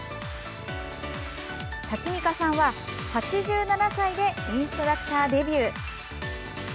タキミカさんは、８７歳でインストラクターデビュー。